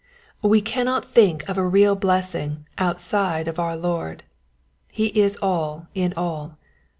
We cannot think of a real blessing out side of our Lord : He is all in all.